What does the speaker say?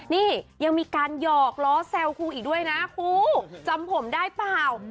นี่ยังมีการหยอกล้อแซวครูอีกด้วยนะครูจำผมได้เปล่า